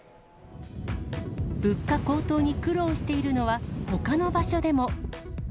物価高騰に苦労しているのは、ほかの場所でも。